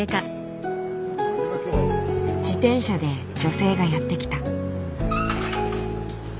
自転車で女性がやって来た。